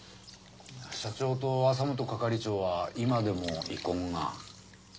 社長と朝本係長は今でも遺恨が？